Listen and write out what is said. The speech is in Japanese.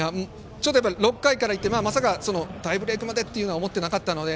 ６回から行ってまさかタイブレークまでとは思ってなかったので。